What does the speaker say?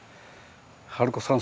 春子さん